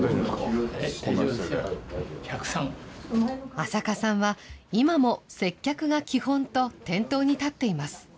安積さんは今も接客が基本と、店頭に立っています。